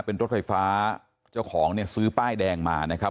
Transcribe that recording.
เป็นรถไฟฟ้าเจ้าของเนี่ยซื้อป้ายแดงมานะครับ